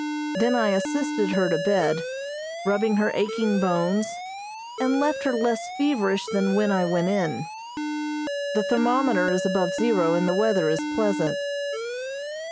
Then I assisted her to bed, rubbing her aching bones, and left her less feverish than when I went in. The thermometer is above zero, and the weather is pleasant.